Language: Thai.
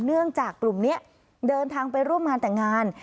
เนื่องจากกลุ่มนี้เดินทางไปร่วมงานแต่งงาน